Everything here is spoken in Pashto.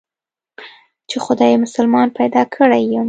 چې خداى مسلمان پيدا کړى يم.